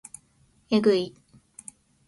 えぐい